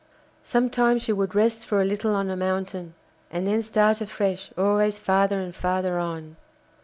Sometimes she would rest for a little on a mountain, and then start afresh always farther and farther on.